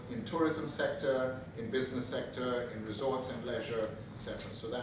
di sektor turisme di sektor bisnis di sektor resort dan lezat dan sebagainya